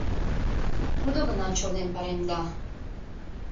Тудо гына чонем паремда.